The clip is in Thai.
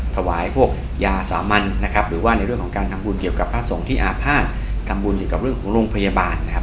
ถวายพวกยาสามัญนะครับหรือว่าในเรื่องของการทำบุญเกี่ยวกับพระสงฆ์ที่อาภาษณ์ทำบุญเกี่ยวกับเรื่องของโรงพยาบาลนะครับ